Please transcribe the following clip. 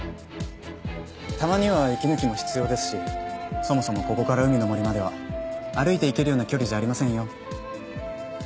たまには息抜きも必要ですしそもそもここから海の森までは歩いていけるような距離じゃありませんよ。